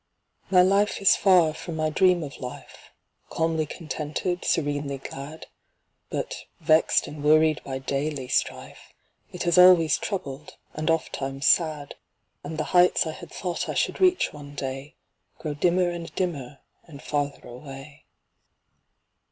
My life is far from my dream of life— Calmly contented, serenely glad; But, vexed and worried by daily strife, It is always troubled, and ofttimes sad— And the heights I had thought I should reach one day Grow dimmer and dimmer, and farther away.